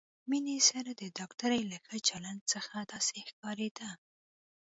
مينې سره د ډاکټرې له ښه چلند څخه داسې ښکارېده.